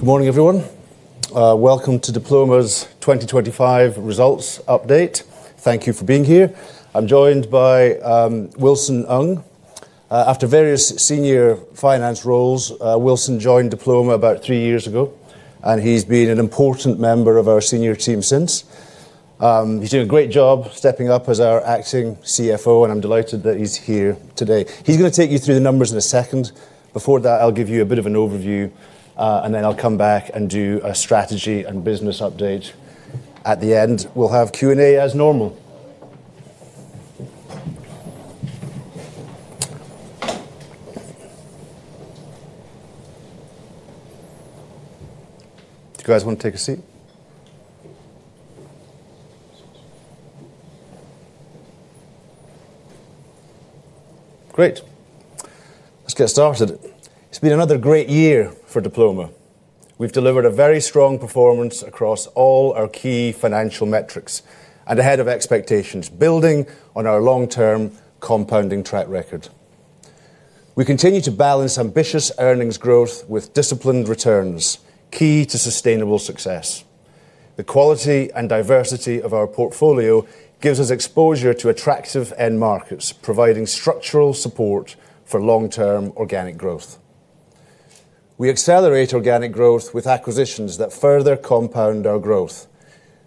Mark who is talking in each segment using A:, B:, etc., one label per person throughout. A: Good morning, everyone. Welcome to Diploma's 2025 results update. Thank you for being here. I'm joined by Wilson Ng. After various senior finance roles, Wilson joined Diploma about three years ago, and he's been an important member of our senior team since. He's doing a great job stepping up as our acting CFO, and I'm delighted that he's here today. He's going to take you through the numbers in a second. Before that, I'll give you a bit of an overview, and then I'll come back and do a strategy and business update at the end. We'll have Q&A as normal. Do you guys want to take a seat? Great. Let's get started. It's been another great year for Diploma. We've delivered a very strong performance across all our key financial metrics and ahead of expectations, building on our long-term compounding track record. We continue to balance ambitious earnings growth with disciplined returns, key to sustainable success. The quality and diversity of our portfolio gives us exposure to attractive end markets, providing structural support for long-term organic growth. We accelerate organic growth with acquisitions that further compound our growth.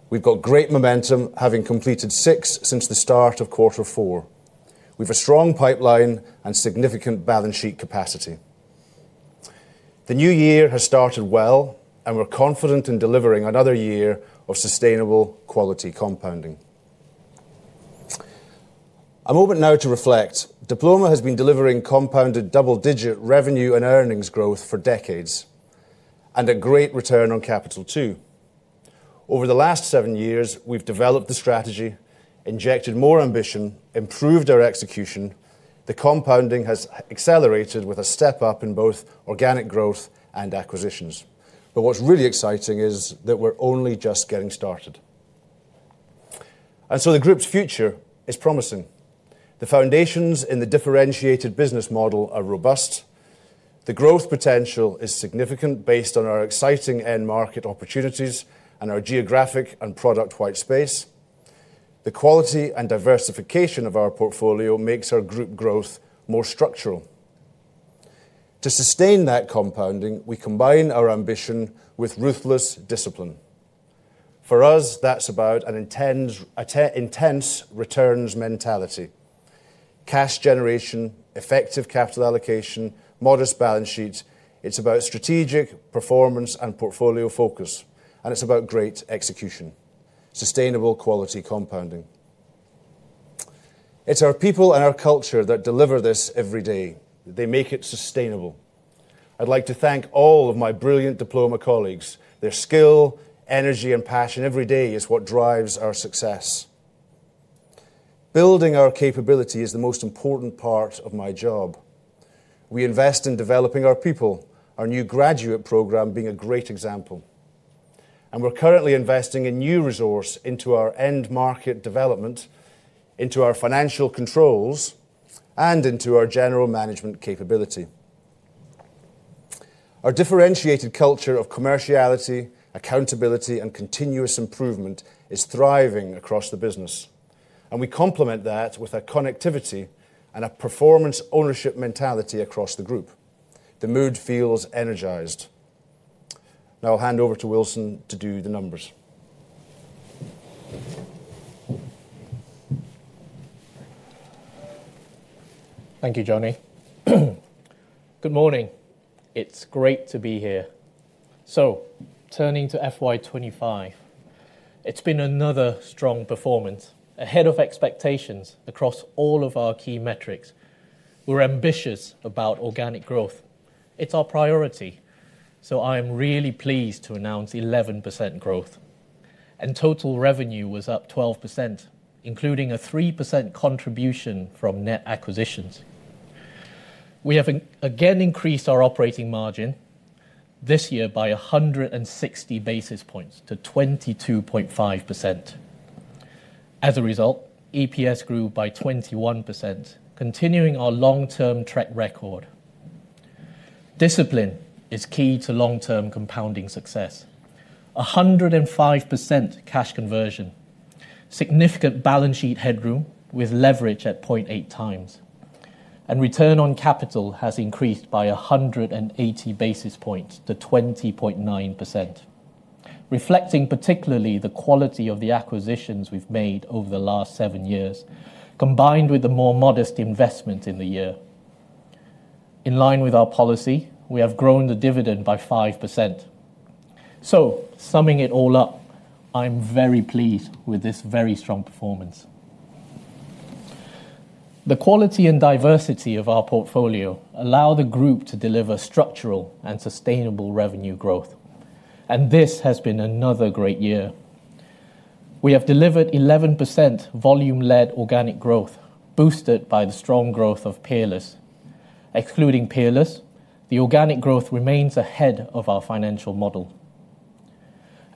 A: We've got great momentum, having completed six since the start of quarter four. We have a strong pipeline and significant balance sheet capacity. The new year has started well, and we're confident in delivering another year of sustainable quality compounding. A moment now to reflect. Diploma has been delivering compounded double-digit revenue and earnings growth for decades and a great return on capital too. Over the last seven years, we've developed the strategy, injected more ambition, improved our execution. The compounding has accelerated with a step up in both organic growth and acquisitions. What is really exciting is that we're only just getting started. The group's future is promising. The foundations in the differentiated business model are robust. The growth potential is significant based on our exciting end market opportunities and our geographic and product white space. The quality and diversification of our portfolio makes our group growth more structural. To sustain that compounding, we combine our ambition with ruthless discipline. For us, that's about an intense returns mentality: cash generation, effective capital allocation, modest balance sheets. It's about strategic performance and portfolio focus, and it's about great execution, sustainable quality compounding. It's our people and our culture that deliver this every day. They make it sustainable. I'd like to thank all of my brilliant Diploma colleagues. Their skill, energy, and passion every day is what drives our success. Building our capability is the most important part of my job. We invest in developing our people, our new graduate program being a great example. We are currently investing in new resources into our end market development, into our financial controls, and into our general management capability. Our differentiated culture of commerciality, accountability, and continuous improvement is thriving across the business. We complement that with our connectivity and a performance ownership mentality across the group. The mood feels energized. Now I'll hand over to Wilson to do the numbers.
B: Thank you, Johnny. Good morning. It's great to be here. Turning to FY2025, it's been another strong performance ahead of expectations across all of our key metrics. We're ambitious about organic growth. It's our priority, so I am really pleased to announce 11% growth. Total revenue was up 12%, including a 3% contribution from net acquisitions. We have again increased our operating margin this year by 160 basis points to 22.5%. As a result, EPS grew by 21%, continuing our long-term track record. Discipline is key to long-term compounding success. 105% cash conversion, significant balance sheet headroom with leverage at 0.8 times, and return on capital has increased by 180 basis points to 20.9%, reflecting particularly the quality of the acquisitions we've made over the last seven years, combined with the more modest investment in the year. In line with our policy, we have grown the dividend by 5%. Summing it all up, I'm very pleased with this very strong performance. The quality and diversity of our portfolio allow the group to deliver structural and sustainable revenue growth, and this has been another great year. We have delivered 11% volume-led organic growth, boosted by the strong growth of Peerless. Excluding Peerless, the organic growth remains ahead of our financial model.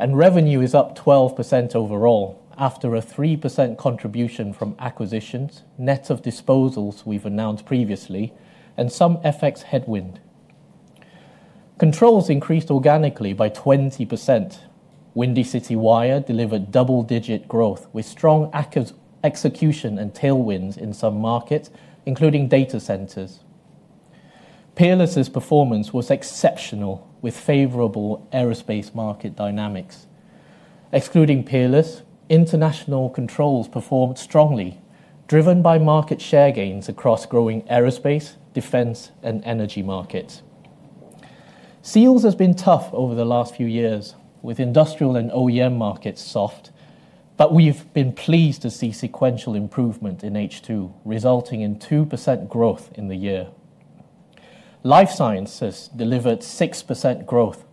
B: Revenue is up 12% overall after a 3% contribution from acquisitions, net of disposals we've announced previously, and some FX headwind. Controls increased organically by 20%. Windy City Wire delivered double-digit growth with strong execution and tailwinds in some markets, including data centers. Peerless' performance was exceptional with favorable aerospace market dynamics. Excluding Peerless, international controls performed strongly, driven by market share gains across growing aerospace, defense, and energy markets. Seals has been tough over the last few years, with industrial and OEM markets soft, but we've been pleased to see sequential improvement in H2, resulting in 2% growth in the year. Life Sciences delivered 6% growth,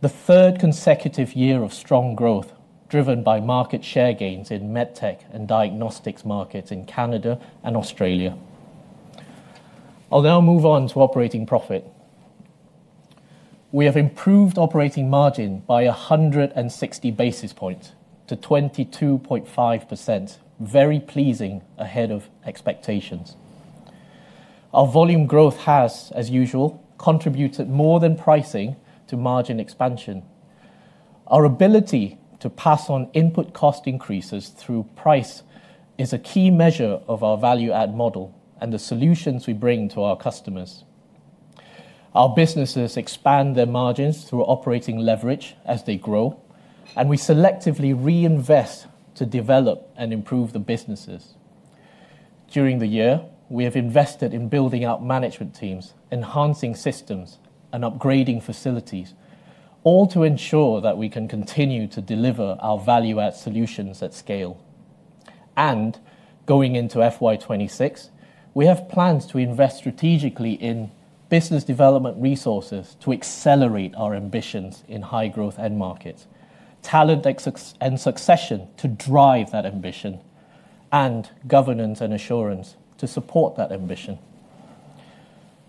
B: the third consecutive year of strong growth, driven by market share gains in medtech and diagnostics markets in Canada and Australia. I'll now move on to operating profit. We have improved operating margin by 160 basis points to 22.5%, very pleasing ahead of expectations. Our volume growth has, as usual, contributed more than pricing to margin expansion. Our ability to pass on input cost increases through price is a key measure of our value-add model and the solutions we bring to our customers. Our businesses expand their margins through operating leverage as they grow, and we selectively reinvest to develop and improve the businesses. During the year, we have invested in building out management teams, enhancing systems, and upgrading facilities, all to ensure that we can continue to deliver our value-add solutions at scale. Going into FY2026, we have plans to invest strategically in business development resources to accelerate our ambitions in high-growth end markets, talent and succession to drive that ambition, and governance and assurance to support that ambition.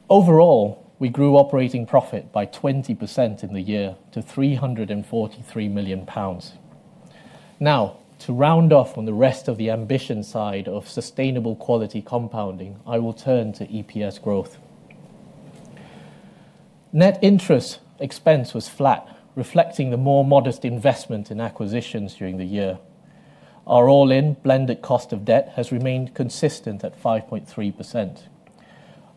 B: Overall, we grew operating profit by 20% in the year to 343 million pounds. Now, to round off on the rest of the ambition side of sustainable quality compounding, I will turn to EPS growth. Net interest expense was flat, reflecting the more modest investment in acquisitions during the year. Our all-in blended cost of debt has remained consistent at 5.3%.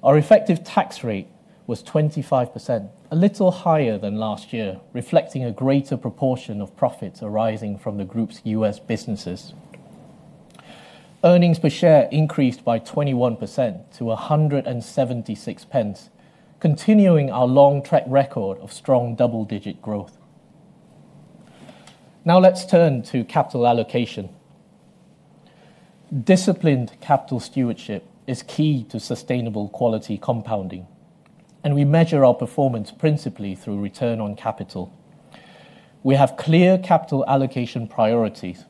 B: Our effective tax rate was 25%, a little higher than last year, reflecting a greater proportion of profits arising from the group's US businesses. Earnings per share increased by 21% to 176 pence, continuing our long track record of strong double-digit growth. Now let's turn to capital allocation. Disciplined capital stewardship is key to sustainable quality compounding, and we measure our performance principally through return on capital. We have clear capital allocation priorities,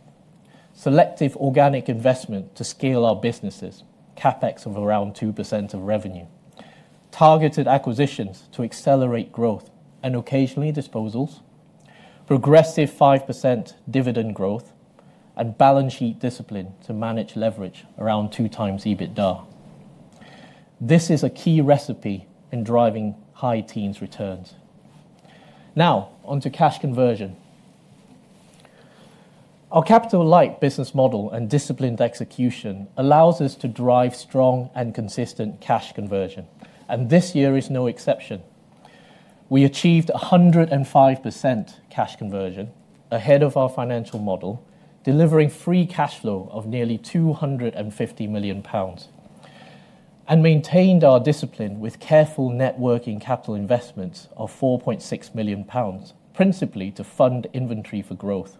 B: selective organic investment to scale our businesses, CapEx of around 2% of revenue, targeted acquisitions to accelerate growth and occasionally disposals, progressive 5% dividend growth, and balance sheet discipline to manage leverage around two times EBITDA. This is a key recipe in driving high teens returns. Now on to cash conversion. Our capital-light business model and disciplined execution allows us to drive strong and consistent cash conversion, and this year is no exception. We achieved 105% cash conversion ahead of our financial model, delivering free cash flow of nearly 250 million pounds, and maintained our discipline with careful networking capital investments of 4.6 million pounds, principally to fund inventory for growth.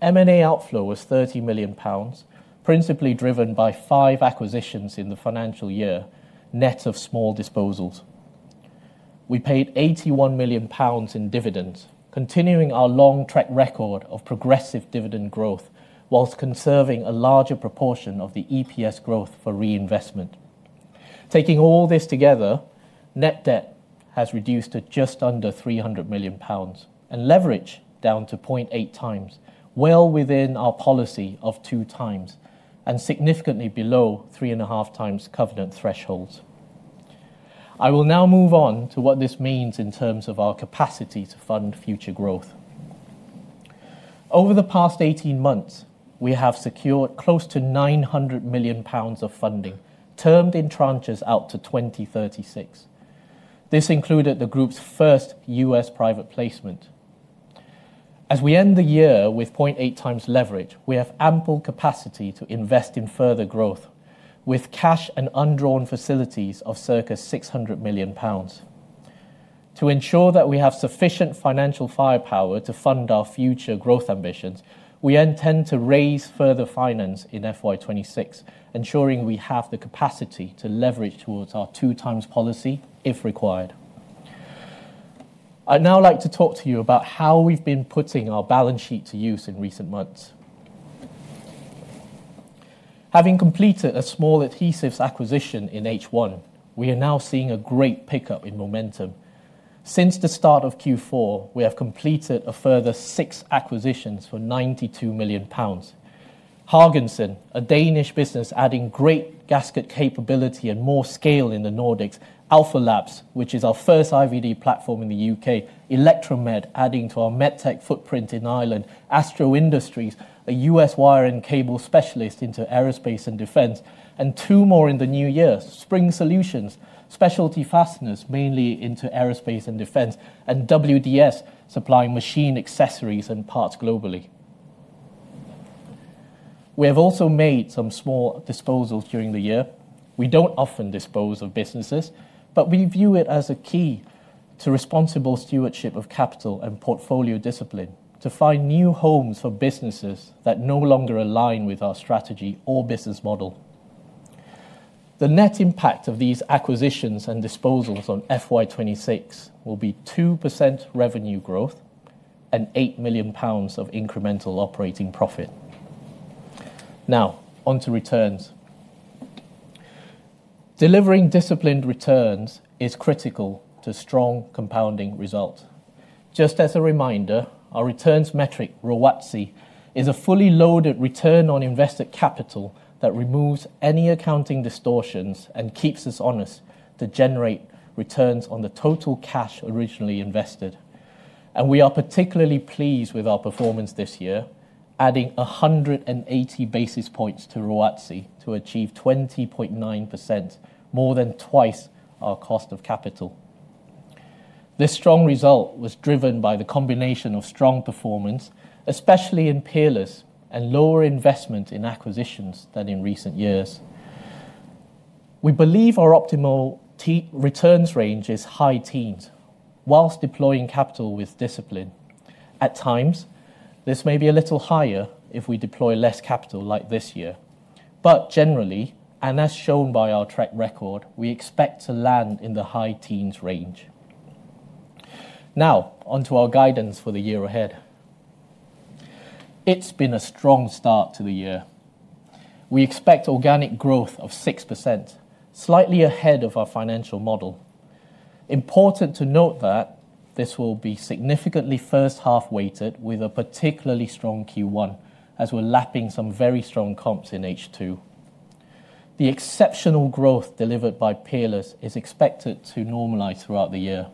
B: M&A outflow was 30 million pounds, principally driven by five acquisitions in the financial year, net of small disposals. We paid 81 million pounds in dividends, continuing our long track record of progressive dividend growth whilst conserving a larger proportion of the EPS growth for reinvestment. Taking all this together, net debt has reduced to just under 300 million pounds and leverage down to 0.8 times, well within our policy of two times and significantly below three and a half times covenant thresholds. I will now move on to what this means in terms of our capacity to fund future growth. Over the past 18 months, we have secured close to 900 million pounds of funding termed in tranches out to 2036. This included the group's first US private placement. As we end the year with 0.8 times leverage, we have ample capacity to invest in further growth with cash and undrawn facilities of circa 600 million pounds. To ensure that we have sufficient financial firepower to fund our future growth ambitions, we intend to raise further finance in FY2026, ensuring we have the capacity to leverage towards our two times policy if required. I'd now like to talk to you about how we've been putting our balance sheet to use in recent months. Having completed a small adhesives acquisition in H1, we are now seeing a great pickup in momentum. Since the start of Q4, we have completed a further six acquisitions for 92 million pounds. Haagensen, a Danish business adding great gasket capability and more scale in the Nordics, Alpha Labs, which is our first IVD platform in the U.K., Electramed adding to our medtech footprint in Ireland, Astro Industries, a US wire and cable specialist into aerospace and defense, and two more in the new year, Spring Solutions, specialty fasteners mainly into aerospace and defense, and WDS supplying machine accessories and parts globally. We have also made some small disposals during the year. We do not often dispose of businesses, but we view it as a key to responsible stewardship of capital and portfolio discipline to find new homes for businesses that no longer align with our strategy or business model. The net impact of these acquisitions and disposals on FY2026 will be 2% revenue growth and 8 million pounds of incremental operating profit. Now on to returns. Delivering disciplined returns is critical to strong compounding results. Just as a reminder, our returns metric, ROACI, is a fully loaded return on invested capital that removes any accounting distortions and keeps us honest to generate returns on the total cash originally invested. We are particularly pleased with our performance this year, adding 180 basis points to ROACI to achieve 20.9%, more than twice our cost of capital. This strong result was driven by the combination of strong performance, especially in Peerless, and lower investment in acquisitions than in recent years. We believe our optimal returns range is high teens whilst deploying capital with discipline. At times, this may be a little higher if we deploy less capital like this year. Generally, and as shown by our track record, we expect to land in the high teens range. Now on to our guidance for the year ahead. It's been a strong start to the year. We expect organic growth of 6%, slightly ahead of our financial model. Important to note that this will be significantly first half weighted with a particularly strong Q1, as we're lapping some very strong comps in H2. The exceptional growth delivered by Peerless is expected to normalize throughout the year.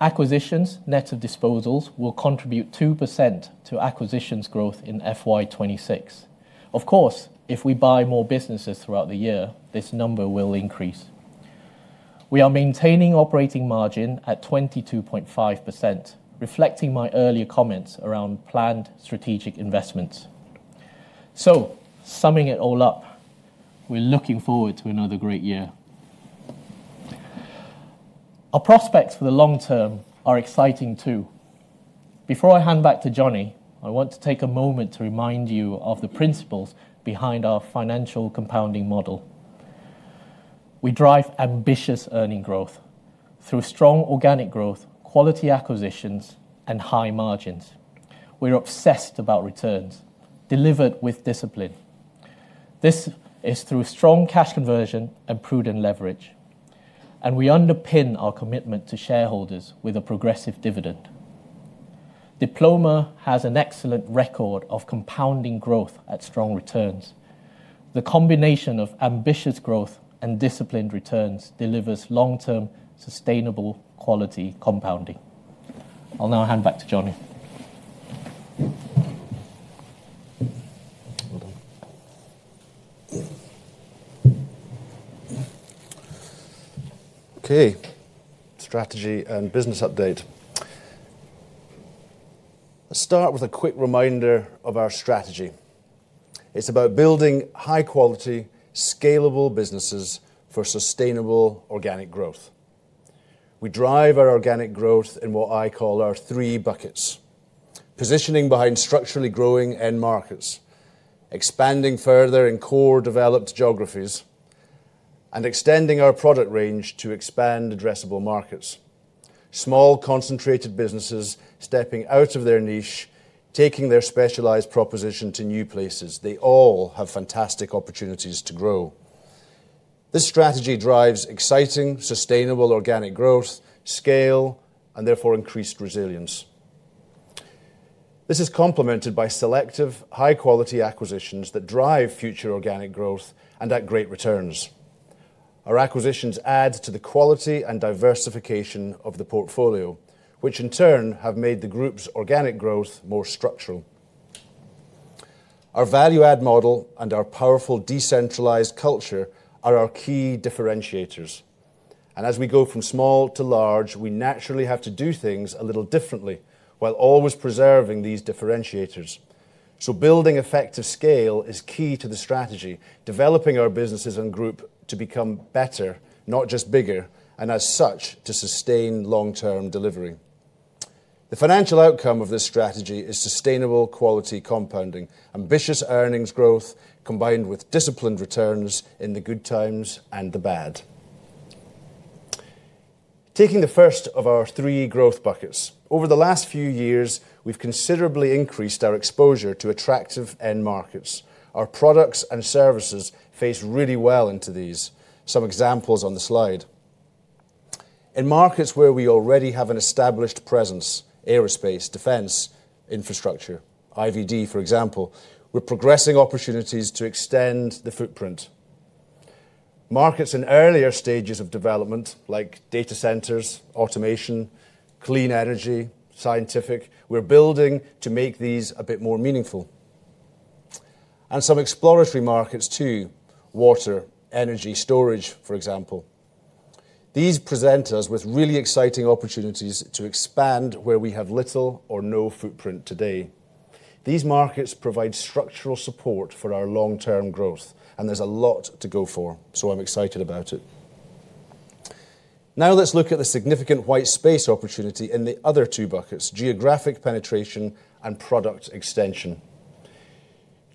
B: Acquisitions, net of disposals, will contribute 2% to acquisitions growth in FY2026. Of course, if we buy more businesses throughout the year, this number will increase. We are maintaining operating margin at 22.5%, reflecting my earlier comments around planned strategic investments. Summing it all up, we're looking forward to another great year. Our prospects for the long term are exciting too. Before I hand back to Johnny, I want to take a moment to remind you of the principles behind our financial compounding model. We drive ambitious earning growth through strong organic growth, quality acquisitions, and high margins. We are obsessed about returns delivered with discipline. This is through strong cash conversion and prudent leverage. We underpin our commitment to shareholders with a progressive dividend. Diploma has an excellent record of compounding growth at strong returns. The combination of ambitious growth and disciplined returns delivers long-term sustainable quality compounding. I will now hand back to Johnny.
A: Okay. Strategy and business update. Let's start with a quick reminder of our strategy. It is about building high-quality, scalable businesses for sustainable organic growth. We drive our organic growth in what I call our three buckets: positioning behind structurally growing end markets, expanding further in core developed geographies, and extending our product range to expand addressable markets. Small concentrated businesses stepping out of their niche, taking their specialized proposition to new places. They all have fantastic opportunities to grow. This strategy drives exciting, sustainable organic growth, scale, and therefore increased resilience. This is complemented by selective, high-quality acquisitions that drive future organic growth and at great returns. Our acquisitions add to the quality and diversification of the portfolio, which in turn have made the group's organic growth more structural. Our value-add model and our powerful decentralized culture are our key differentiators. As we go from small to large, we naturally have to do things a little differently while always preserving these differentiators. Building effective scale is key to the strategy, developing our businesses and group to become better, not just bigger, and as such to sustain long-term delivery. The financial outcome of this strategy is sustainable quality compounding, ambitious earnings growth combined with disciplined returns in the good times and the bad. Taking the first of our three growth buckets, over the last few years, we have considerably increased our exposure to attractive end markets. Our products and services fit really well into these. Some examples on the slide. In markets where we already have an established presence, aerospace, defense, infrastructure, IVD, for example, we are progressing opportunities to extend the footprint. Markets in earlier stages of development, like data centers, automation, clean energy, scientific, we are building to make these a bit more meaningful. Some exploratory markets too, water, energy storage, for example. These present us with really exciting opportunities to expand where we have little or no footprint today. These markets provide structural support for our long-term growth, and there is a lot to go for, so I am excited about it. Now let's look at the significant white space opportunity in the other two buckets, geographic penetration and product extension.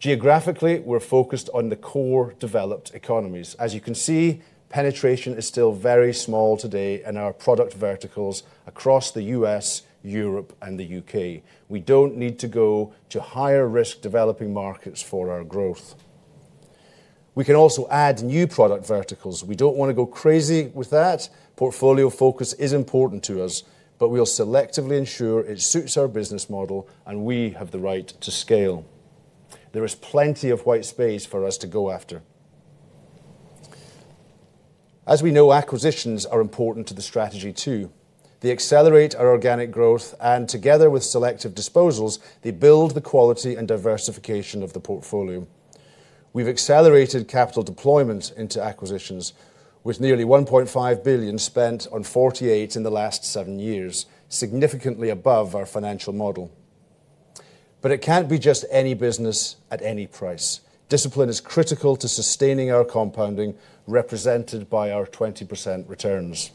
A: Geographically, we're focused on the core developed economies. As you can see, penetration is still very small today in our product verticals across the U.S., Europe, and the U.K. We don't need to go to higher risk developing markets for our growth. We can also add new product verticals. We don't want to go crazy with that. Portfolio focus is important to us, but we'll selectively ensure it suits our business model and we have the right to scale. There is plenty of white space for us to go after. As we know, acquisitions are important to the strategy too. They accelerate our organic growth, and together with selective disposals, they build the quality and diversification of the portfolio. We've accelerated capital deployment into acquisitions, with nearly 1.5 billion spent on 48 in the last seven years, significantly above our financial model. It cannot be just any business at any price. Discipline is critical to sustaining our compounding, represented by our 20% returns.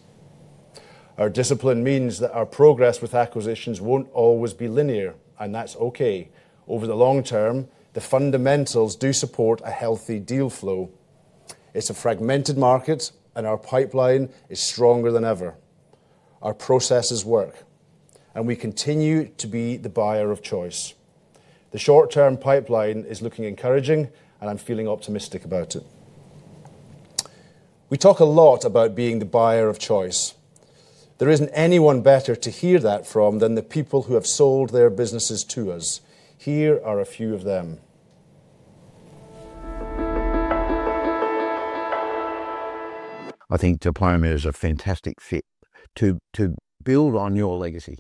A: Our discipline means that our progress with acquisitions will not always be linear, and that is okay. Over the long term, the fundamentals do support a healthy deal flow. It is a fragmented market, and our pipeline is stronger than ever. Our processes work, and we continue to be the buyer of choice. The short-term pipeline is looking encouraging, and I am feeling optimistic about it. We talk a lot about being the buyer of choice. There is not anyone better to hear that from than the people who have sold their businesses to us. Here are a few of them. I think Diploma is a fantastic fit to build on your legacy.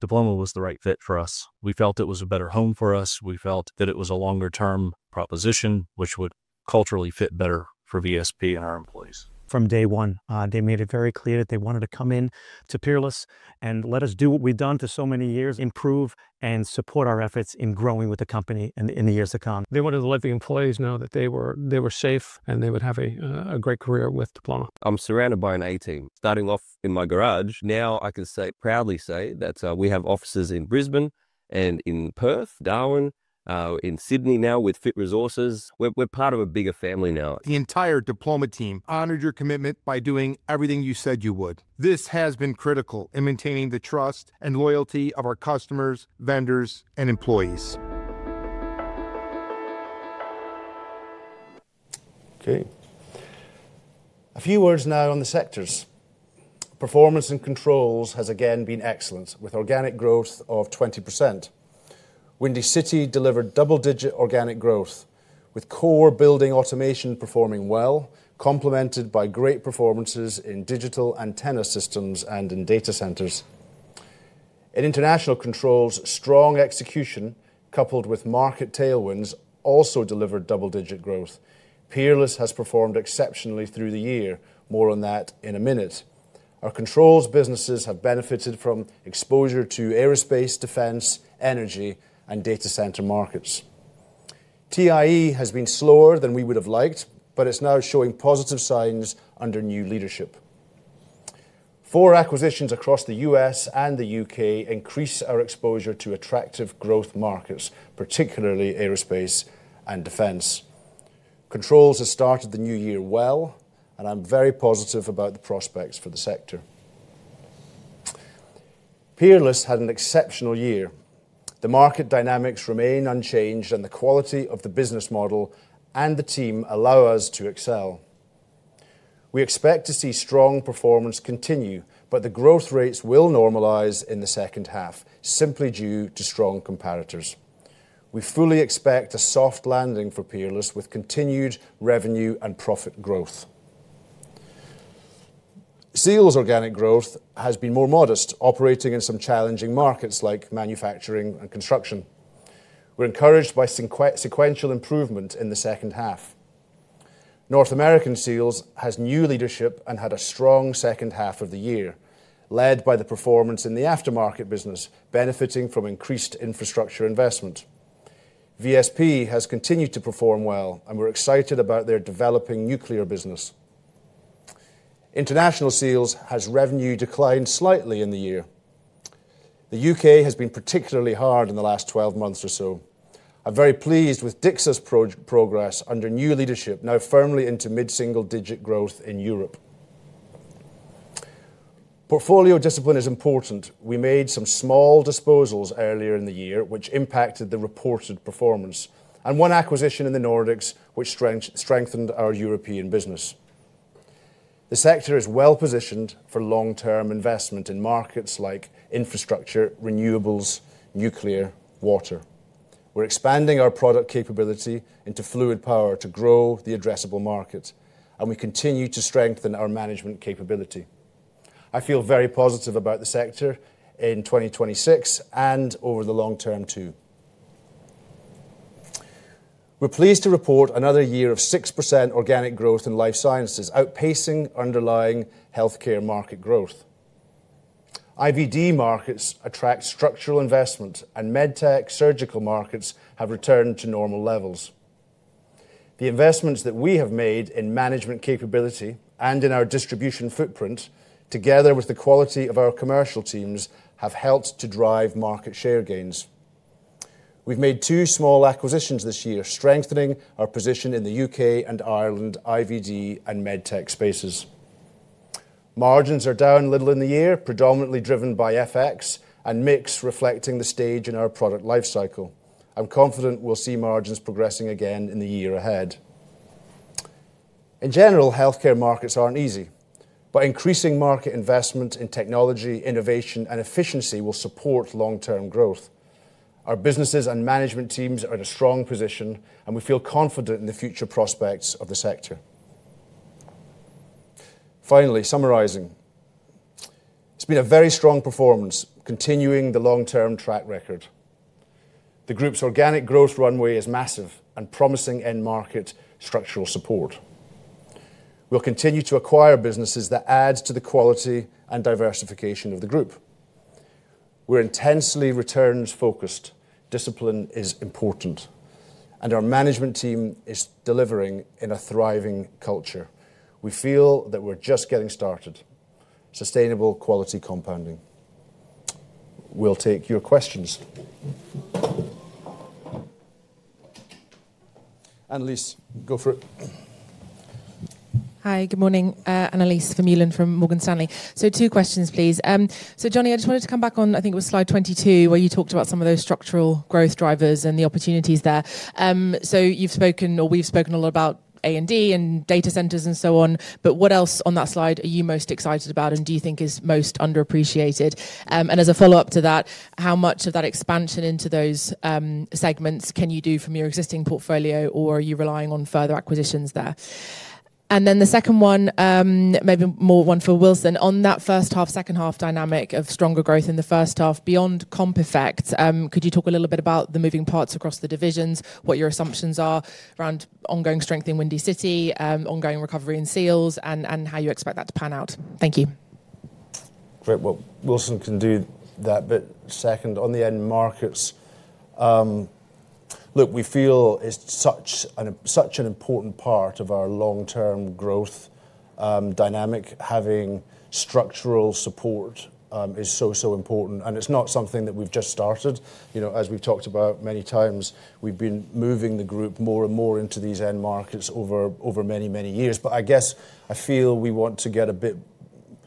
A: Diploma was the right fit for us. We felt it was a better home for us. We felt that it was a longer-term proposition which would culturally fit better for VSP and our employees. From day one, they made it very clear that they wanted to come in to Peerless and let us do what we've done for so many years, improve and support our efforts in growing with the company in the years to come. They wanted to let the employees know that they were safe and they would have a great career with Diploma. I'm surrounded by an A team. Starting off in my garage, now I can proudly say that we have offices in Brisbane and in Perth, Darwin, in Sydney now with Fit Resources. We're part of a bigger family now. The entire Diploma team honored your commitment by doing everything you said you would. This has been critical in maintaining the trust and loyalty of our customers, vendors, and employees. Okay. A few words now on the sectors. Performance in controls has again been excellent, with organic growth of 20%. Windy City delivered double-digit organic growth, with core building automation performing well, complemented by great performances in digital antenna systems and in data centers. In international controls, strong execution coupled with market tailwinds also delivered double-digit growth. Peerless has performed exceptionally through the year. More on that in a minute. Our controls businesses have benefited from exposure to aerospace, defense, energy, and data center markets. TIE has been slower than we would have liked, but it's now showing positive signs under new leadership. Four acquisitions across the U.S. and the U.K. increase our exposure to attractive growth markets, particularly aerospace and defense. Controls has started the new year well, and I'm very positive about the prospects for the sector. Peerless had an exceptional year. The market dynamics remain unchanged, and the quality of the business model and the team allow us to excel. We expect to see strong performance continue, but the growth rates will normalize in the second half, simply due to strong competitors. We fully expect a soft landing for Peerless with continued revenue and profit growth. Seals' organic growth has been more modest, operating in some challenging markets like manufacturing and construction. We're encouraged by sequential improvement in the second half. North American Seals has new leadership and had a strong second half of the year, led by the performance in the aftermarket business, benefiting from increased infrastructure investment. VSP has continued to perform well, and we're excited about their developing nuclear business. International Seals has revenue declined slightly in the year. The U.K. has been particularly hard in the last 12 months or so. I'm very pleased with Dixon's progress under new leadership, now firmly into mid-single-digit growth in Europe. Portfolio discipline is important. We made some small disposals earlier in the year, which impacted the reported performance, and one acquisition in the Nordics, which strengthened our European business. The sector is well positioned for long-term investment in markets like infrastructure, renewables, nuclear, water. We're expanding our product capability into fluid power to grow the addressable market, and we continue to strengthen our management capability. I feel very positive about the sector in 2026 and over the long term too. We're pleased to report another year of 6% organic growth in life sciences, outpacing underlying healthcare market growth. IVD markets attract structural investment, and medtech surgical markets have returned to normal levels. The investments that we have made in management capability and in our distribution footprint, together with the quality of our commercial teams, have helped to drive market share gains. We've made two small acquisitions this year, strengthening our position in the U.K. and Ireland IVD and medtech spaces. Margins are down a little in the year, predominantly driven by FX and mix reflecting the stage in our product lifecycle. I'm confident we'll see margins progressing again in the year ahead. In general, healthcare markets aren't easy, but increasing market investment in technology, innovation, and efficiency will support long-term growth. Our businesses and management teams are in a strong position, and we feel confident in the future prospects of the sector. Finally, summarizing, it's been a very strong performance, continuing the long-term track record. The group's organic growth runway is massive and promising end market structural support. We'll continue to acquire businesses that add to the quality and diversification of the group. We're intensely returns-focused. Discipline is important, and our management team is delivering in a thriving culture. We feel that we're just getting started. Sustainable quality compounding. We'll take your questions. Annalise, go for it.
C: Hi, good morning. Annelies Vermeulen from Morgan Stanley. Two questions, please. Johnny, I just wanted to come back on, I think it was slide 22 where you talked about some of those structural growth drivers and the opportunities there. You've spoken, or we've spoken a lot about A&D and data centers and so on, but what else on that slide are you most excited about and do you think is most underappreciated? As a follow-up to that, how much of that expansion into those segments can you do from your existing portfolio, or are you relying on further acquisitions there? The second one, maybe more one for Wilson. On that first half, second half dynamic of stronger growth in the first half, beyond comp effects, could you talk a little bit about the moving parts across the divisions, what your assumptions are around ongoing strength in Windy City, ongoing recovery in Seals, and how you expect that to pan out? Thank you. Great.
A: Wilson can do that, but second, on the end markets, look, we feel it's such an important part of our long-term growth dynamic. Having structural support is so, so important, and it's not something that we've just started. As we've talked about many times, we've been moving the group more and more into these end markets over many, many years. I guess I feel we want to get a bit,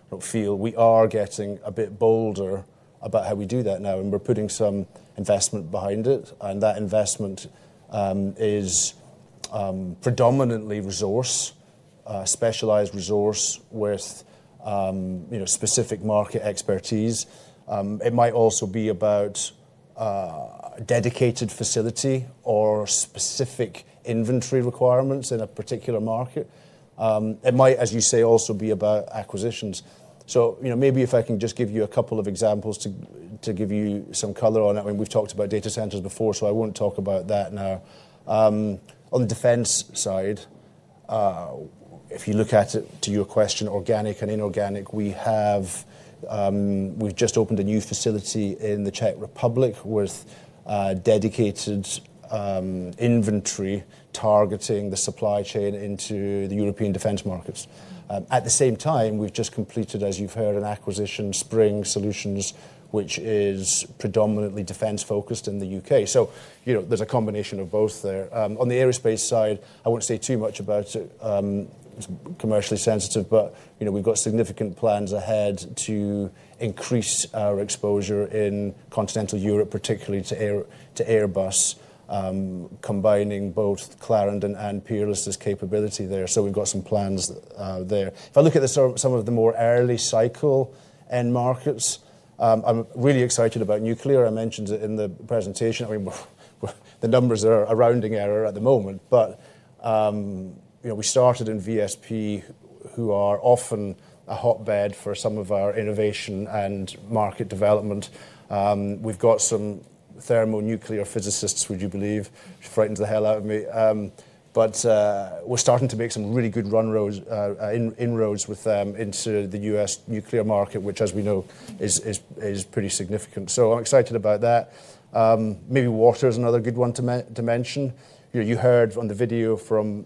A: not feel, we are getting a bit bolder about how we do that now, and we're putting some investment behind it. That investment is predominantly resource, specialized resource with specific market expertise. It might also be about a dedicated facility or specific inventory requirements in a particular market. It might, as you say, also be about acquisitions. Maybe if I can just give you a couple of examples to give you some color on it. I mean, we've talked about data centers before, so I won't talk about that now. On the defense side, if you look at it to your question, organic and inorganic, we have just opened a new facility in the Czech Republic with dedicated inventory targeting the supply chain into the European defense markets. At the same time, we have just completed, as you have heard, an acquisition, Spring Solutions, which is predominantly defense-focused in the U.K. There is a combination of both there. On the aerospace side, I will not say too much about it. It is commercially sensitive, but we have significant plans ahead to increase our exposure in continental Europe, particularly to Airbus, combining both Clarendon and Peerless's capability there. We have some plans there. If I look at some of the more early cycle end markets, I am really excited about nuclear. I mentioned it in the presentation. I mean, the numbers are a rounding error at the moment, but we started in VSP, who are often a hotbed for some of our innovation and market development. We've got some thermonuclear physicists, would you believe? Frightened the hell out of me. We are starting to make some really good inroads into the US nuclear market, which, as we know, is pretty significant. I am excited about that. Maybe water is another good one to mention. You heard on the video from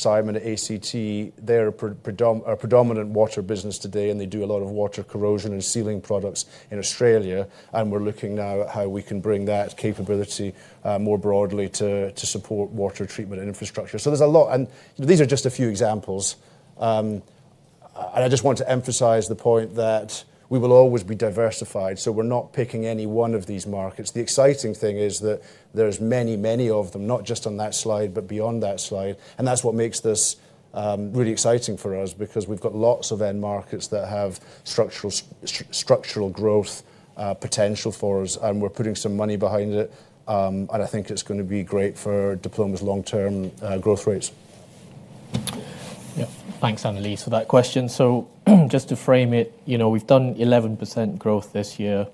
A: Simon at ACT, they are a predominant water business today, and they do a lot of water corrosion and sealing products in Australia. We are looking now at how we can bring that capability more broadly to support water treatment and infrastructure. There is a lot. These are just a few examples. I just want to emphasize the point that we will always be diversified. We're not picking any one of these markets. The exciting thing is that there's many, many of them, not just on that slide, but beyond that slide. That's what makes this really exciting for us because we've got lots of end markets that have structural growth potential for us, and we're putting some money behind it. I think it's going to be great for Diploma's long-term growth rates.
B: Yeah. Thanks, Annalise, for that question. Just to frame it, we've done 11% growth this year,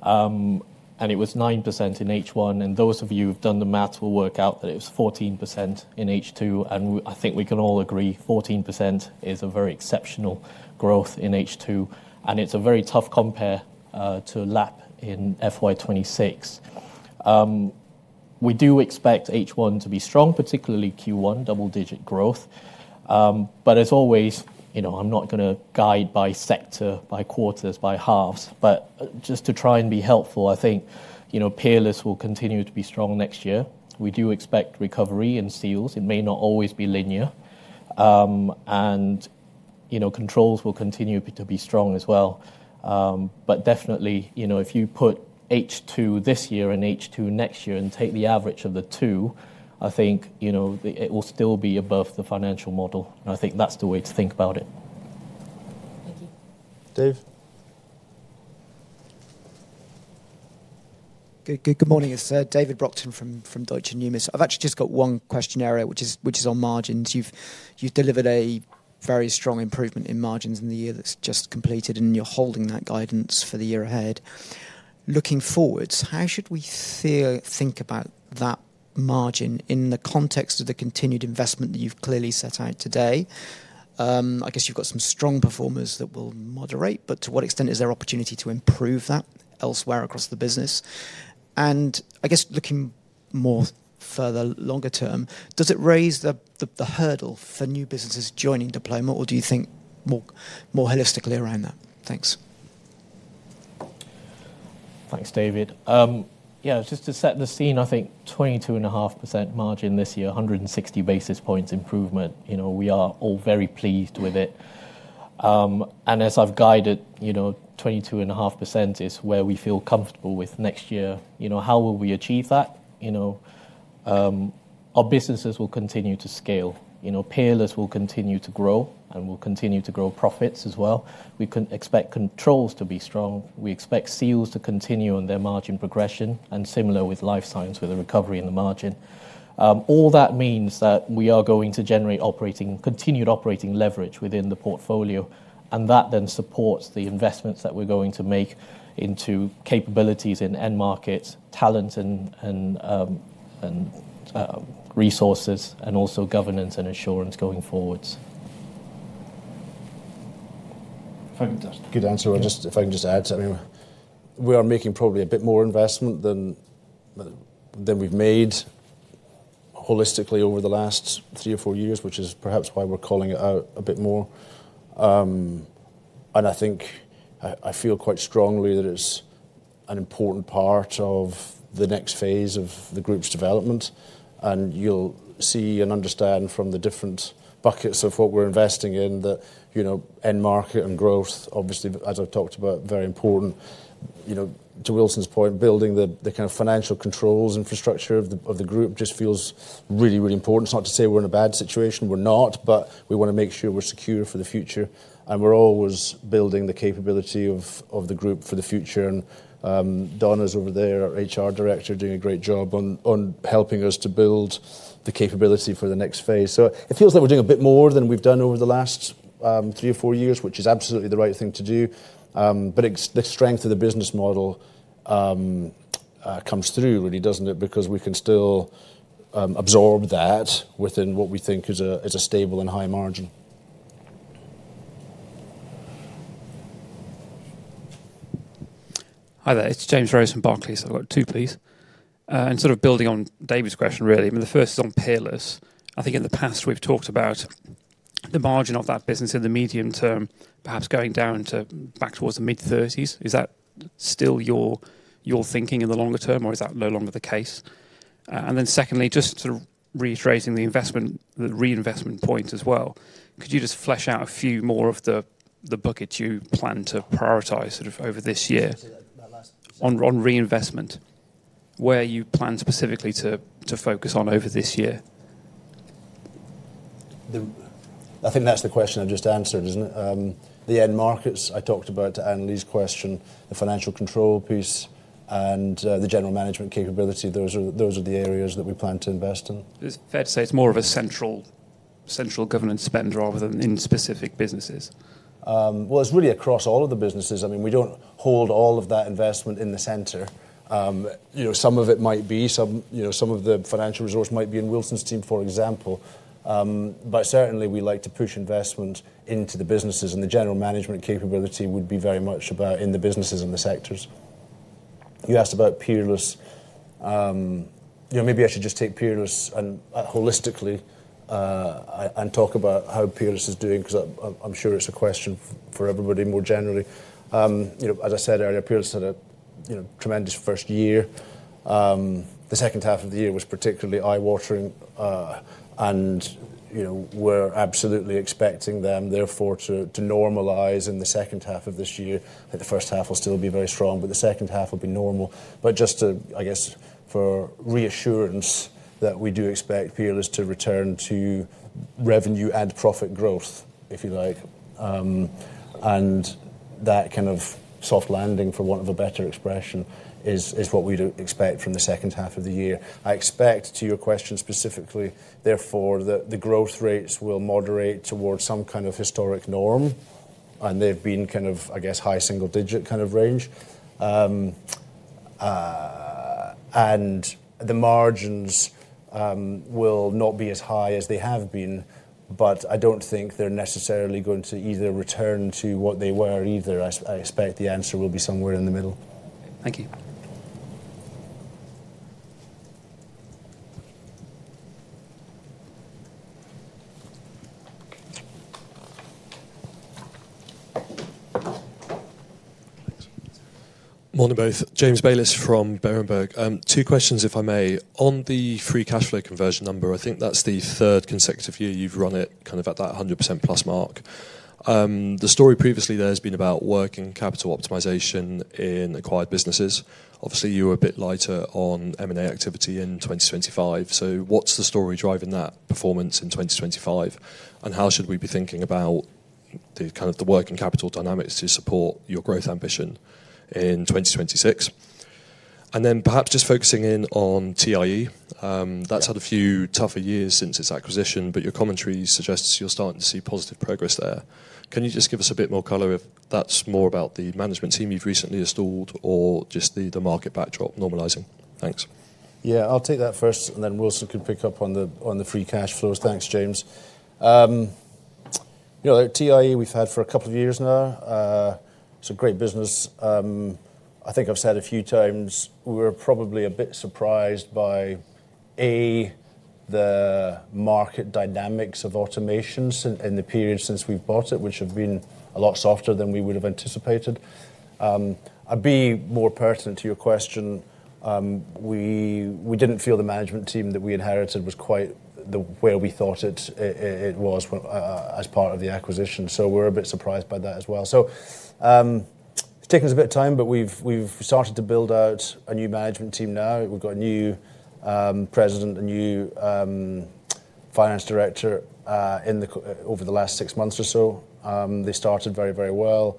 B: and it was 9% in H1. Those of you who've done the math will work out that it was 14% in H2. I think we can all agree 14% is a very exceptional growth in H2. It's a very tough compare to LAP in FY2026. We do expect H1 to be strong, particularly Q1, double-digit growth. But as always, I'm not going to guide by sector, by quarters, by halves. Just to try and be helpful, I think Peerless will continue to be strong next year. We do expect recovery in Seals. It may not always be linear. Controls will continue to be strong as well. Definitely, if you put H2 this year and H2 next year and take the average of the two, I think it will still be above the financial model. I think that's the way to think about it.
A: Thank you. Dave.
D: Good morning. It's David Brockton from Deutsche Numis. I've actually just got one questionnaire, which is on margins. You've delivered a very strong improvement in margins in the year that's just completed, and you're holding that guidance for the year ahead. Looking forwards, how should we think about that margin in the context of the continued investment that you've clearly set out today? I guess you've got some strong performers that will moderate, but to what extent is there opportunity to improve that elsewhere across the business? I guess looking more further longer term, does it raise the hurdle for new businesses joining Diploma, or do you think more holistically around that? Thanks.
B: Thanks, David. Yeah, just to set the scene, I think 22.5% margin this year, 160 basis points improvement. We are all very pleased with it. As I've guided, 22.5% is where we feel comfortable with next year. How will we achieve that? Our businesses will continue to scale. Peerless will continue to grow, and we'll continue to grow profits as well. We expect controls to be strong. We expect Seals to continue on their margin progression, and similar with Life Sciences with a recovery in the margin. All that means that we are going to generate continued operating leverage within the portfolio, and that then supports the investments that we are going to make into capabilities in end markets, talent and resources, and also governance and assurance going forwards. If I can just...
A: Good answer. If I can just add, I mean, we are making probably a bit more investment than we have made holistically over the last three or four years, which is perhaps why we are calling it out a bit more. I think I feel quite strongly that it is an important part of the next phase of the group's development. You will see and understand from the different buckets of what we are investing in that end market and growth, obviously, as I have talked about, very important. To Wilson's point, building the kind of financial controls infrastructure of the group just feels really, really important. It's not to say we're in a bad situation. We're not, but we want to make sure we're secure for the future. We're always building the capability of the group for the future. Don is over there, our HR Director, doing a great job on helping us to build the capability for the next phase. It feels like we're doing a bit more than we've done over the last three or four years, which is absolutely the right thing to do. The strength of the business model comes through, really, doesn't it? We can still absorb that within what we think is a stable and high margin.
E: Hi there. It's James Rose from Barclays. I've got two, please.
B: Sort of building on David's question, really, I mean, the first is on Peerless. I think in the past, we've talked about the margin of that business in the medium term, perhaps going down to back towards the mid-30s. Is that still your thinking in the longer term, or is that no longer the case? Secondly, just sort of reiterating the investment, the reinvestment point as well. Could you just flesh out a few more of the buckets you plan to prioritize sort of over this year on reinvestment? Where you plan specifically to focus on over this year?
A: I think that's the question I've just answered, isn't it? The end markets, I talked about to Annalise's question, the financial control piece, and the general management capability. Those are the areas that we plan to invest in. Fair to say it's more of a central governance spend rather than in specific businesses? It's really across all of the businesses. I mean, we don't hold all of that investment in the center. Some of it might be. Some of the financial resource might be in Wilson's team, for example. Certainly, we like to push investment into the businesses, and the general management capability would be very much about in the businesses and the sectors. You asked about Peerless. Maybe I should just take Peerless holistically and talk about how Peerless is doing because I'm sure it's a question for everybody more generally. As I said earlier, Peerless had a tremendous first year. The second half of the year was particularly eye-watering, and we're absolutely expecting them, therefore, to normalize in the second half of this year. I think the first half will still be very strong, but the second half will be normal. Just, I guess, for reassurance that we do expect Peerless to return to revenue and profit growth, if you like. That kind of soft landing, for want of a better expression, is what we'd expect from the second half of the year. I expect to your question specifically, therefore, that the growth rates will moderate towards some kind of historic norm, and they've been kind of, I guess, high single-digit kind of range. The margins will not be as high as they have been, but I don't think they're necessarily going to either return to what they were either. I expect the answer will be somewhere in the middle. Thank you.
F: Morning both. James Bayliss from Berenberg. Two questions, if I may. On the free cash flow conversion number, I think that's the third consecutive year you've run it kind of at that 100% plus mark. The story previously there has been about working capital optimization in acquired businesses. Obviously, you were a bit lighter on M&A activity in 2025. What's the story driving that performance in 2025? How should we be thinking about the kind of the working capital dynamics to support your growth ambition in 2026? Perhaps just focusing in on TIE. That's had a few tougher years since its acquisition, but your commentary suggests you're starting to see positive progress there. Can you just give us a bit more color if that's more about the management team you've recently installed or just the market backdrop normalizing? Thanks.
A: Yeah, I'll take that first, and then Wilson can pick up on the free cash flows. Thanks, James. TIE, we've had for a couple of years now. It's a great business. I think I've said a few times, we were probably a bit surprised by, A, the market dynamics of automations in the period since we've bought it, which have been a lot softer than we would have anticipated. B, more pertinent to your question, we didn't feel the management team that we inherited was quite where we thought it was as part of the acquisition. We were a bit surprised by that as well. It's taken us a bit of time, but we've started to build out a new management team now. We've got a new president, a new finance director over the last six months or so. They started very, very well.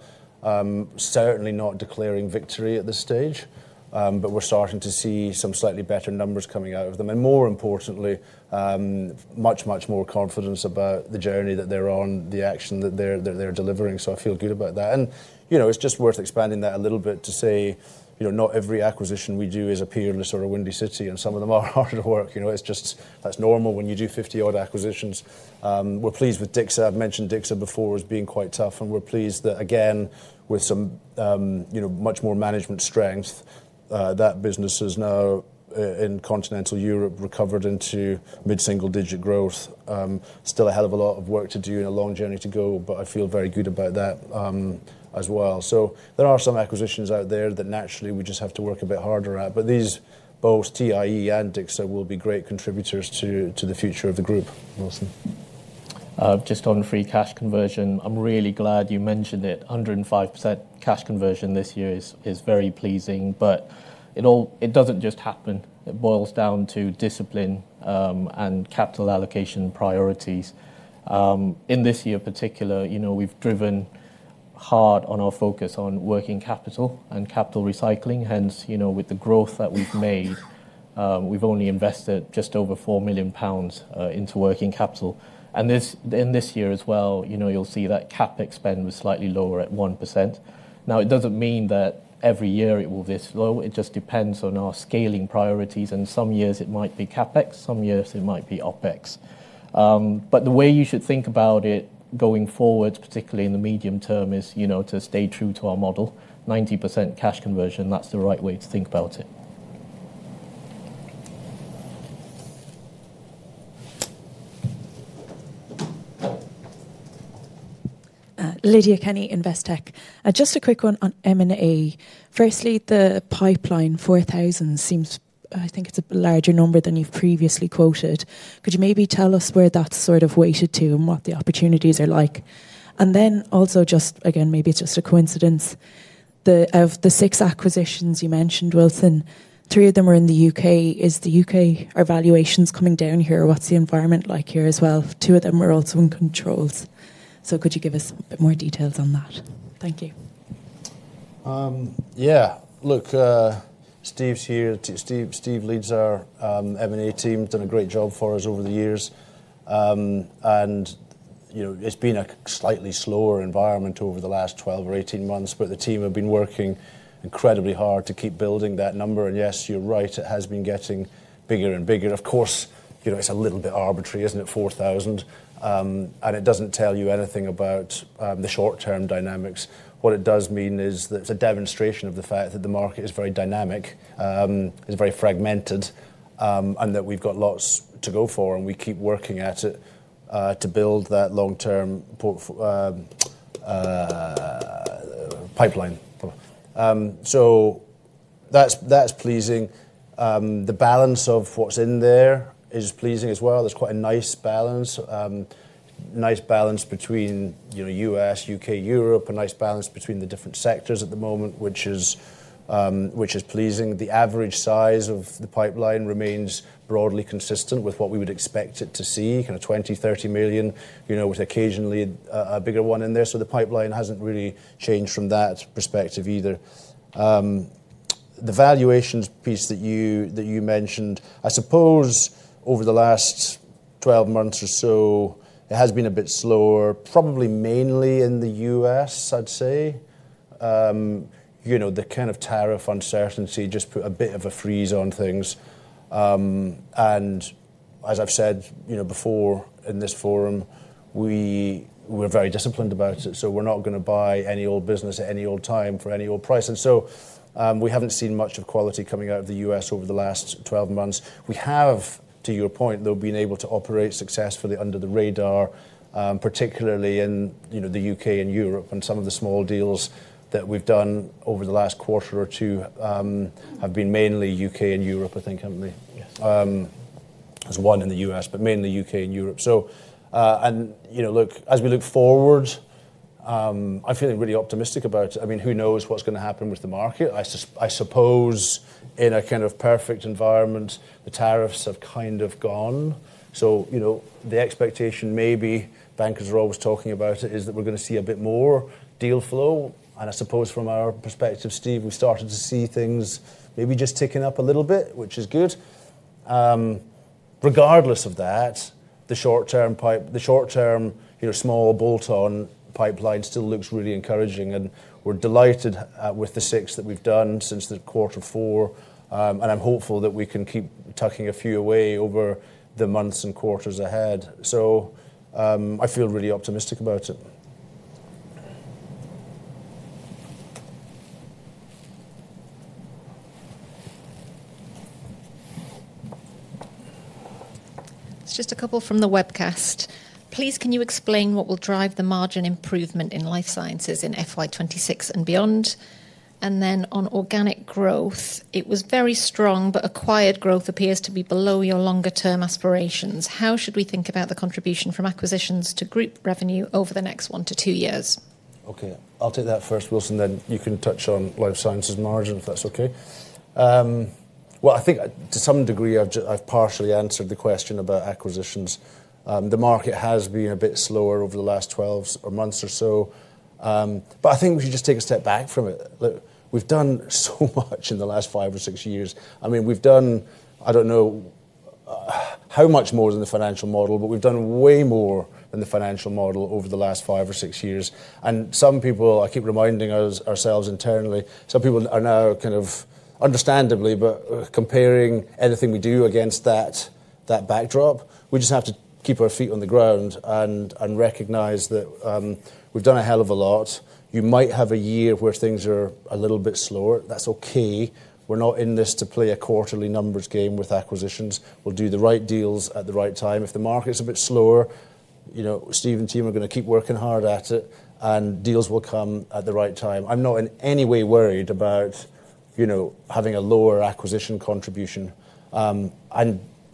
A: Certainly not declaring victory at this stage, but we're starting to see some slightly better numbers coming out of them. More importantly, much, much more confidence about the journey that they're on, the action that they're delivering. I feel good about that. It is just worth expanding that a little bit to say not every acquisition we do is a Peerless or a Windy City, and some of them are harder to work. That is normal when you do 50-odd acquisitions. We are pleased with Dixon. I have mentioned Dixon before as being quite tough, and we are pleased that, again, with some much more management strength, that business has now in continental Europe recovered into mid-single-digit growth. Still a hell of a lot of work to do and a long journey to go, but I feel very good about that as well. There are some acquisitions out there that naturally we just have to work a bit harder at. These both TIE and Dixon will be great contributors to the future of the group. Wilson.
B: Just on free cash conversion, I'm really glad you mentioned it. 105% cash conversion this year is very pleasing, but it does not just happen. It boils down to discipline and capital allocation priorities. In this year particular, we have driven hard on our focus on working capital and capital recycling. Hence, with the growth that we have made, we have only invested just over 4 million pounds into working capital. In this year as well, you will see that CapEx spend was slightly lower at 1%. It does not mean that every year it will be this low. It just depends on our scaling priorities. Some years it might be CapEx, some years it might be OpEx. The way you should think about it going forward, particularly in the medium term, is to stay true to our model. 90% cash conversion, that's the right way to think about it.
G: Lydia Kenny, Investec. Just a quick one on M&A. Firstly, the pipeline 4,000 seems, I think it's a larger number than you've previously quoted. Could you maybe tell us where that's sort of weighted to and what the opportunities are like? Also, just, again, maybe it's just a coincidence, of the six acquisitions you mentioned, Wilson, three of them are in the U.K. Is the U.K. valuations coming down here? What's the environment like here as well? Two of them are also in controls. Could you give us a bit more details on that? Thank you.
A: Yeah, look, Steve's here. Steve leads our M&A team, done a great job for us over the years. It has been a slightly slower environment over the last 12 or 18 months, but the team have been working incredibly hard to keep building that number. Yes, you're right, it has been getting bigger and bigger. Of course, it is a little bit arbitrary, is it not? 4,000. It does not tell you anything about the short-term dynamics. What it does mean is that it is a demonstration of the fact that the market is very dynamic, is very fragmented, and that we have got lots to go for, and we keep working at it to build that long-term pipeline. That is pleasing. The balance of what is in there is pleasing as well. There is quite a nice balance, nice balance between U.S., U.K., Europe, a nice balance between the different sectors at the moment, which is pleasing. The average size of the pipeline remains broadly consistent with what we would expect it to see, kind of 20-30 million, with occasionally a bigger one in there. The pipeline has not really changed from that perspective either. The valuations piece that you mentioned, I suppose over the last 12 months or so, it has been a bit slower, probably mainly in the U.S., I'd say. The kind of tariff uncertainty just put a bit of a freeze on things. As I've said before in this forum, we are very disciplined about it. We are not going to buy any old business at any old time for any old price. We have not seen much of quality coming out of the U.S. over the last 12 months. We have, to your point, though, been able to operate successfully under the radar, particularly in the U.K. and Europe. Some of the small deals that we've done over the last quarter or two have been mainly U.K. and Europe, I think, haven't they? Yes. There's one in the U.S., but mainly U.K. and Europe. Look, as we look forward, I'm feeling really optimistic about it. I mean, who knows what's going to happen with the market? I suppose in a kind of perfect environment, the tariffs have kind of gone. The expectation, maybe bankers are always talking about it, is that we're going to see a bit more deal flow. I suppose from our perspective, Steve, we've started to see things maybe just ticking up a little bit, which is good. Regardless of that, the short-term small bolt-on pipeline still looks really encouraging. We're delighted with the six that we've done since the quarter four. I'm hopeful that we can keep tucking a few away over the months and quarters ahead. I feel really optimistic about it.
H: It's just a couple from the webcast. Please, can you explain what will drive the margin improvement in life sciences in fiscal year 2026 and beyond? On organic growth, it was very strong, but acquired growth appears to be below your longer-term aspirations. How should we think about the contribution from acquisitions to group revenue over the next one to two years?
A: I will take that first, Wilson. You can touch on life sciences margin, if that's okay. I think to some degree, I've partially answered the question about acquisitions. The market has been a bit slower over the last 12 months or so. I think we should just take a step back from it. Look, we've done so much in the last five or six years. I mean, we've done, I don't know how much more than the financial model, but we've done way more than the financial model over the last five or six years. Some people, I keep reminding ourselves internally, some people are now kind of understandably, but comparing anything we do against that backdrop, we just have to keep our feet on the ground and recognize that we've done a hell of a lot. You might have a year where things are a little bit slower. That's okay. We're not in this to play a quarterly numbers game with acquisitions. We'll do the right deals at the right time. If the market's a bit slower, Steve and team are going to keep working hard at it, and deals will come at the right time. I'm not in any way worried about having a lower acquisition contribution. And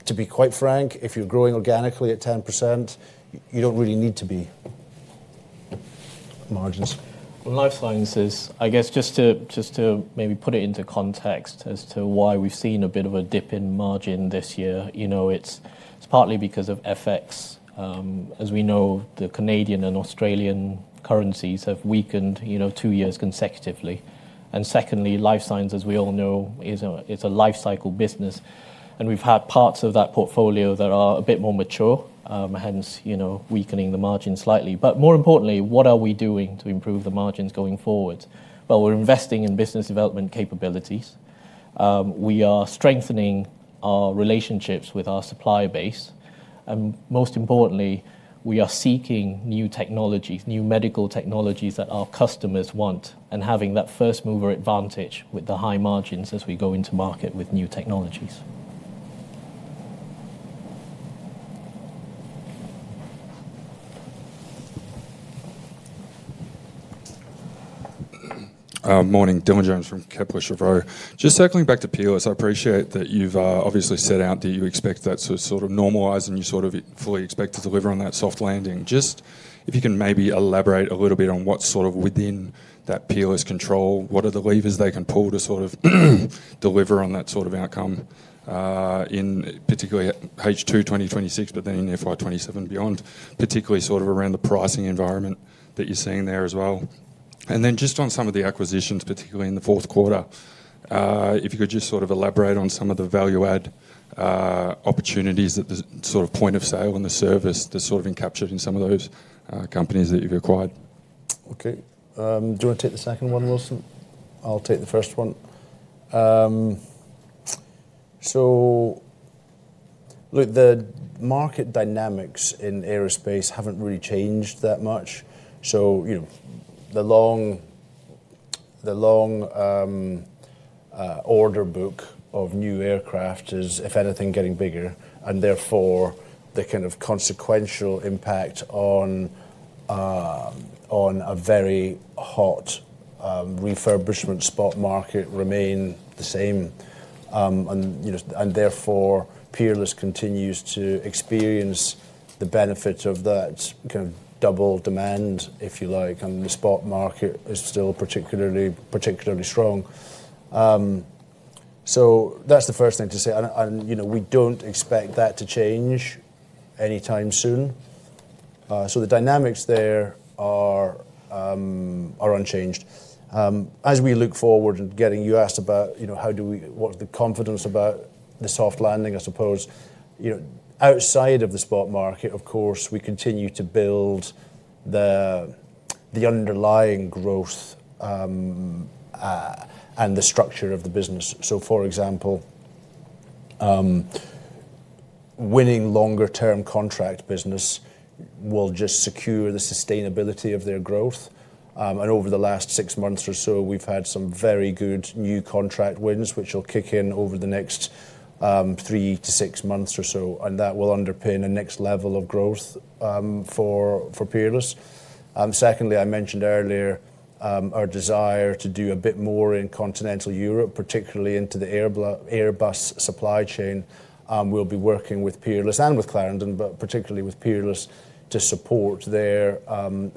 A: to be quite frank, if you're growing organically at 10%, you don't really need to be margins.
B: Life sciences, I guess just to maybe put it into context as to why we've seen a bit of a dip in margin this year, it's partly because of FX. As we know, the Canadian and Australian currencies have weakened two years consecutively. Secondly, life science, as we all know, is a life cycle business. We've had parts of that portfolio that are a bit more mature, hence weakening the margin slightly. More importantly, what are we doing to improve the margins going forward? We're investing in business development capabilities. We are strengthening our relationships with our supply base. Most importantly, we are seeking new technologies, new medical technologies that our customers want and having that first mover advantage with the high margins as we go into market with new technologies.
I: Morning, Dylan Jones from Kepler Cheuvreux. Just circling back to PLS, I appreciate that you have obviously set out that you expect that to sort of normalize and you fully expect to deliver on that soft landing. If you can maybe elaborate a little bit on what is within that PLS control, what are the levers they can pull to deliver on that outcome, particularly H2 2026, but then in FY2027 and beyond, particularly around the pricing environment that you are seeing there as well.
B: Just on some of the acquisitions, particularly in the fourth quarter, if you could elaborate on some of the value-add opportunities that the point of sale and the service that's been captured in some of those companies that you've acquired.
A: Okay, do you want to take the second one, Wilson? I'll take the first one. Look, the market dynamics in aerospace haven't really changed that much. The long order book of new aircraft is, if anything, getting bigger. Therefore, the kind of consequential impact on a very hot refurbishment spot market remains the same. Peerless continues to experience the benefits of that kind of double demand, if you like, and the spot market is still particularly strong. That's the first thing to say. We don't expect that to change anytime soon.
B: The dynamics there are unchanged. As we look forward and getting you asked about what the confidence about the soft landing, I suppose, outside of the spot market, of course, we continue to build the underlying growth and the structure of the business. For example, winning longer-term contract business will just secure the sustainability of their growth. Over the last six months or so, we have had some very good new contract wins, which will kick in over the next three to six months or so. That will underpin a next level of growth for Peerless. Secondly, I mentioned earlier our desire to do a bit more in continental Europe, particularly into the Airbus supply chain. We will be working with Peerless and with Clarendon, but particularly with Peerless to support their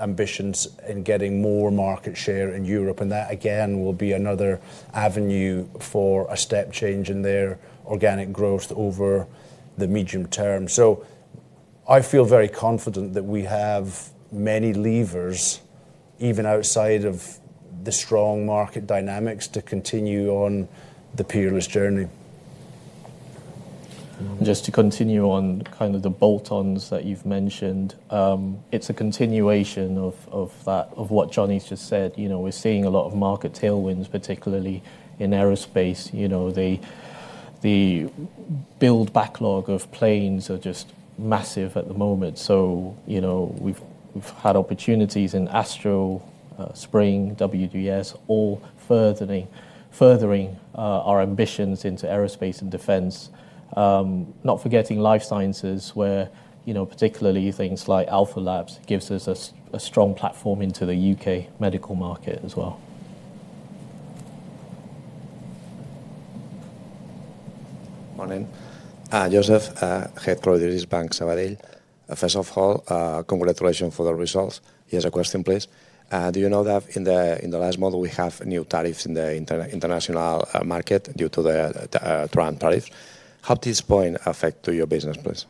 B: ambitions in getting more market share in Europe. That, again, will be another avenue for a step change in their organic growth over the medium term. I feel very confident that we have many levers, even outside of the strong market dynamics, to continue on the Peerless journey. Just to continue on kind of the bolt-ons that you've mentioned, it's a continuation of what Johnny's just said. We're seeing a lot of market tailwinds, particularly in aerospace. The build backlog of planes is just massive at the moment. We've had opportunities in Astro, Spring, WDS, all furthering our ambitions into aerospace and defense. Not forgetting life sciences, where particularly things like Alpha Labs gives us a strong platform into the U.K. medical market as well. Morning, Joseph, head producer at Bank Sabadell. First of all, congratulations for the results. Here's a question, please. Do you know that in the last model, we have new tariffs in the international market due to the Trump tariffs? How does this point affect your business, please?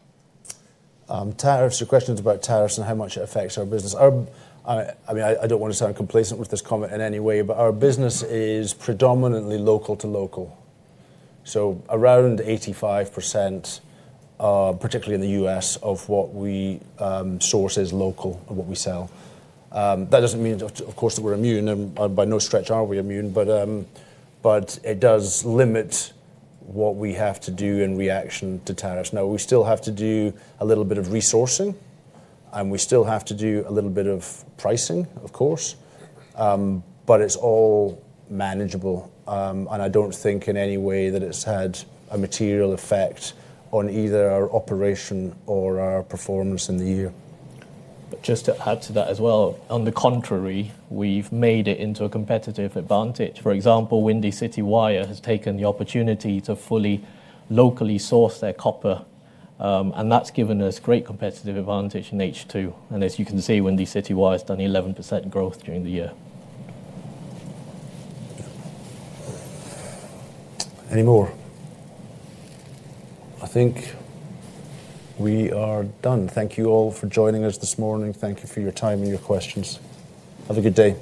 B: Tariffs, your question is about tariffs and how much it affects our business. I mean, I do not want to sound complacent with this comment in any way, but our business is predominantly local to local. So around 85%, particularly in the US, of what we source is local and what we sell. That does not mean, of course, that we are immune. By no stretch are we immune, but it does limit what we have to do in reaction to tariffs. Now, we still have to do a little bit of resourcing, and we still have to do a little bit of pricing, of course. But it is all manageable. I do not think in any way that it has had a material effect on either our operation or our performance in the year.
A: Just to add to that as well, on the contrary, we have made it into a competitive advantage. For example, Windy City Wire has taken the opportunity to fully locally source their copper. That has given us great competitive advantage in H2. As you can see, Windy City Wire has done 11% growth during the year. Any more? I think we are done. Thank you all for joining us this morning. Thank you for your time and your questions. Have a good day.